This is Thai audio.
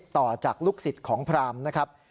ต่อจากลูกศิษย์ของพรามนะครับ